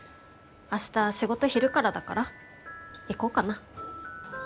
明日仕事昼からだから行こうかな。